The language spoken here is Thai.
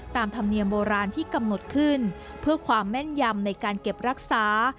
ธรรมเนียมโบราณที่กำหนดขึ้นเพื่อความแม่นยำในการเก็บรักษา